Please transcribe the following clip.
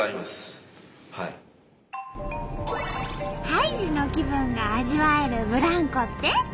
ハイジの気分が味わえるブランコって？